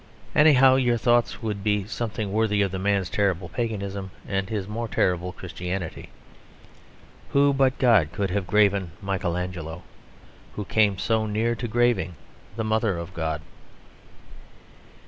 Anyhow, your thoughts would be something worthy of the man's terrible paganism and his more terrible Christianity. Who but God could have graven Michael Angelo; who came so near to graving the Mother of God?